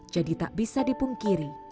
jadi tak bisa dipungkiri